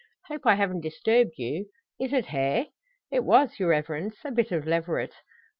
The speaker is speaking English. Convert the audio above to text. Hope I haven't disturbed you. Is it hare?" "It was, your Reverence, a bit of leveret."